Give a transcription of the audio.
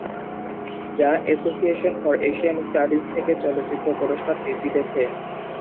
যা association for Asian studies থেকে তথ্যচিত্র পুরস্কার জিতেছে।